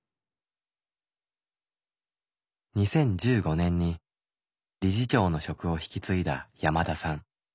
２０１５年に理事長の職を引き継いだ山田さん。